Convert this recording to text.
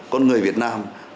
con người việt nam